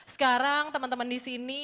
sekarang teman teman disini